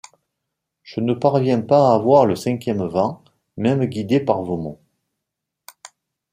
Je ne parviens pas à voir le cinquième vent, même guidé par vos mots.